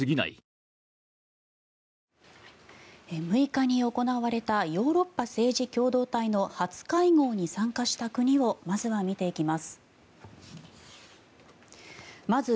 ６日に行われたヨーロッパ政治共同体の初会合に参加した国をまずは見ていきます。